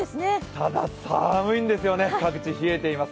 ただ寒いんですよね、各地冷えています。